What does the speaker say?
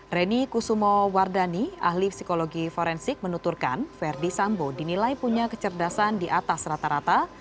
reni kusumo wardani ahli psikologi forensik menuturkan verdi sambo dinilai punya kecerdasan di atas rata rata